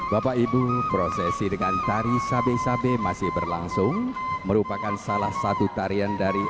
bapak ibu prosesi dengan tari sabe sabe masih berlangsung merupakan salah satu tarian dari